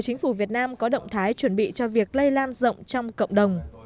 chính phủ việt nam có động thái chuẩn bị cho việc lây lan rộng trong cộng đồng